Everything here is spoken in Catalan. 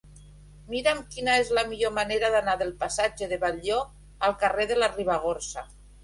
Mira'm quina és la millor manera d'anar del passatge de Batlló al carrer de la Ribagorça.